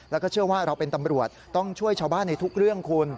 แล้วก็เชื่อว่าเราเป็นตำรวจต้องช่วยชาวบ้านในทุกเรื่องคุณ